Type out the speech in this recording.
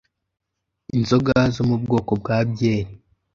inzoga zo mu bwoko bwa byeri.